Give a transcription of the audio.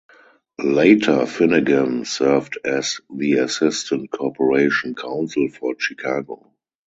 Later, Finnegan served as the Assistant Corporation Counsel for Chicago.